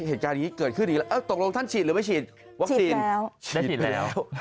เหตุการณ์นี้เกิดขึ้นอีกแล้วตกลงท่านฉีดหรือไม่ฉีดวัคซีนได้ฉีดแล้ว